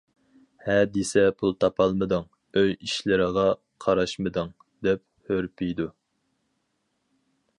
ھە دېسە پۇل تاپالمىدىڭ، ئۆي ئىشلىرىغا قاراشمىدىڭ، دەپ ھۈرپىيىدۇ.